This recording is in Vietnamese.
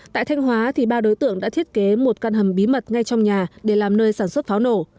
tại thanh hóa ba đối tượng đã thiết kế một căn hầm bí mật ngay trong nhà để làm nơi sản xuất pháo nổ